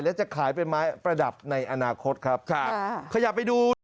และจะขายเป็นไม้ประดับในอนาคตครับครับขยับไปดู